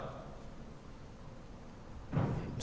negara yang cepat akan mengalahkan negara yang lambat